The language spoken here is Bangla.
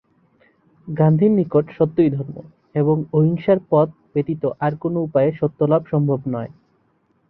গান্ধীর নিকট সত্যই ধর্ম এবং অহিংসার পথ ব্যতীত আর কোনো উপায়ে সত্যলাভ সম্ভব নয়।